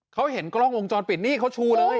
เขาเห็นกล้องวงจรปิดนี่เขาชูเลย